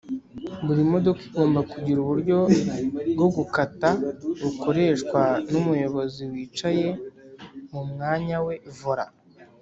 buri modoka igomba kugira uburyo bwo gukata bukoreshwa n’umuyobozi yicaye mumwanyawe vola